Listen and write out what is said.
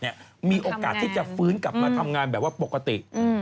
และมีออกาศที่จะฟื้นกลับมาทำงานแบบปกติ